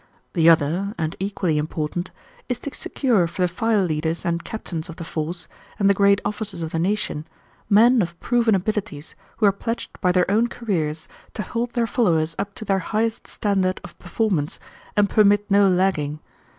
The other, and equally important, is to secure for the file leaders and captains of the force, and the great officers of the nation, men of proven abilities, who are pledged by their own careers to hold their followers up to their highest standard of performance and permit no lagging.